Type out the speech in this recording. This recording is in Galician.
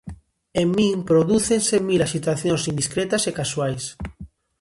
En min prodúcense mil axitacións indiscretas e casuais.